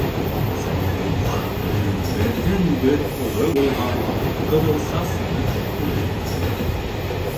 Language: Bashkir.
Сәмиғулла уның берҙән-бер улы булған, ҡыҙылса сығып үлеп ҡуйған.